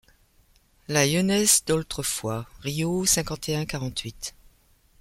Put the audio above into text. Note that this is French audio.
La ieunesse d’aultrefois Riault cinquante et un quarante-huit.